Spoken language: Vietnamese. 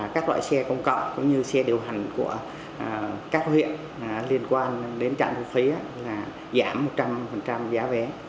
các loại xe công cộng cũng như xe điều hành của các huyện liên quan đến trạm thu phí là giảm một trăm linh giá vé